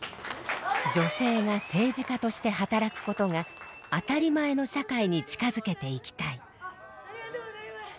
女性が政治家として働くことが当たり前の社会に近づけていきたい。